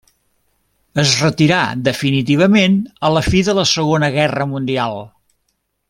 Es retirà definitivament a la fi de la Segona Guerra Mundial.